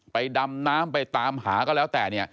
ไปดำน้ำไปตามหาก็แล้วแต่